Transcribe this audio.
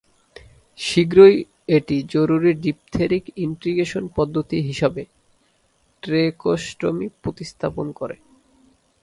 শীঘ্রই এটি জরুরী ডিপথেরিক ইন্টিগ্রেশন পদ্ধতি হিসাবে ট্রেকোস্টোমি প্রতিস্থাপন করে।